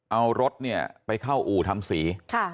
เอารถเนี่ยไปเข้าอู่ทำสี